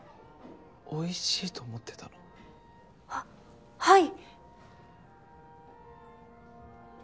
おいしいと思ってたの？ははい！